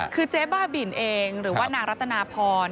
คือเจ๊บ้าบินเองหรือว่านางรัตนาพร